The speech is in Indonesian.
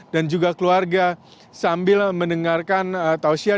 dan juga keluarga sambil mendengarkan tausiyah